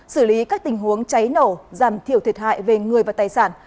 xử lý các tình huống cháy nổ giảm thiểu thiệt hại về người và tài sản